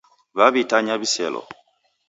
W'aw'itanya wiselo